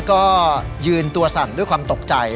ก็ยืนตัวสั่นด้วยความตกใจ